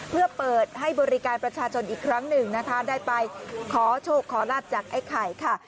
เพื่อเปิดให้บริการประชาชนอีกครั้งหนึ่งนะคะได้ไปขอโชคขอลาบจากไอ้ไข่ค่ะ